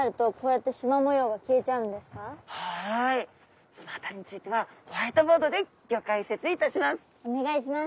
はいその辺りについてはホワイトボードでギョ解説いたします。